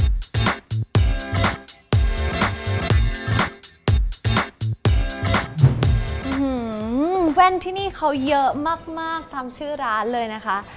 แว่นที่นี่เขาเยอะมากตามชื่อร้านเลยนะคะ